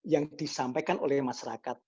yang disampaikan oleh masyarakat